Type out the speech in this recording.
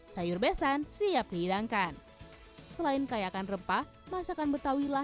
sayur besan siap dihidangkan selain kayakan rempah masakan betawi